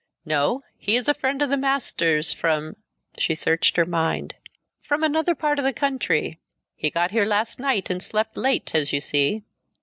"No. He is a friend of the master's, from " she searched her mind "from another part of the country. He got here last night and slept late, as you see."